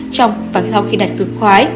trong và sau khi đặt cước khoái